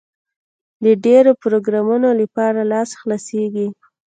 د ډېرو پروګرامونو لپاره لاس خلاصېږي.